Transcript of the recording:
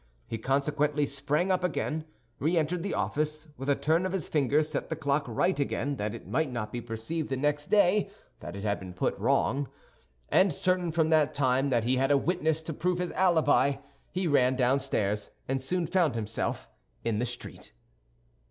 He consequently sprang up again, re entered the office, with a turn of his finger set the clock right again, that it might not be perceived the next day that it had been put wrong, and certain from that time that he had a witness to prove his alibi, he ran downstairs and soon found himself in the street.